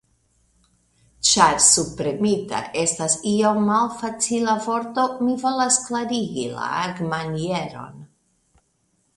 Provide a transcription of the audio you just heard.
Ĉar subpremita estas iom malfacila vorto, mi volas klarigi la agmanieron.